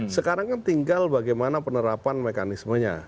sekarang kan tinggal bagaimana penerapan mekanismenya